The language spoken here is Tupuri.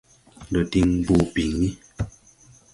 Ndɔ diŋ bɔɔ biŋni.